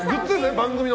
番組の。